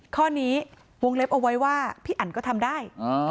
ข้อนี้วงเล็บเอาไว้ว่าพี่อันก็ทำได้